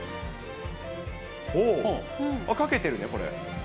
かけてるね、これ。